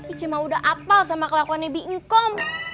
ice mah udah apal sama kelakuan nebi incom